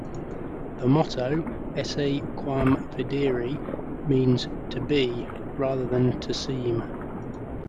The motto "Esse quam videri" means "To Be Rather Than To Seem.